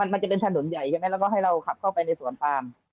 มันจะเป็นถนนใหญ่ใช่ไหมแล้วก็ให้เราขับเข้าไปในสวนปาม